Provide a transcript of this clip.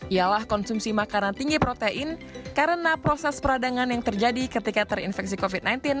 ialah konsumsi makanan tinggi protein karena proses peradangan yang terjadi ketika terinfeksi covid sembilan belas